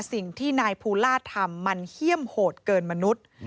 สิ่งที่นายภูลาทำมันเฮี่ยมโหดเกินมนุษย์